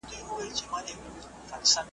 یو په نوم د خلیفه خوري خیراتونه .